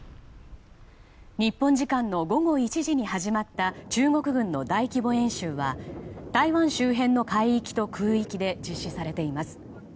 日本時間の午後１時に始まった中国軍の大規模演習は台湾周辺の海域と空域で実施されています。